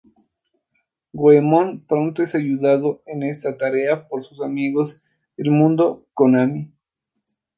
Goemon pronto es ayudado en esta tarea por sus amigos del Mundo Konami.